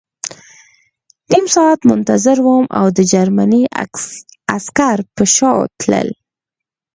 نیم ساعت منتظر وم او د جرمني عسکر په شا تلل